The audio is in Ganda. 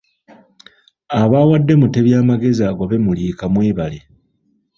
Abawadde Mutebi amagezi agobe Muliika mwebale!